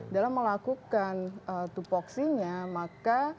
dalam melakukan tupoksinya maka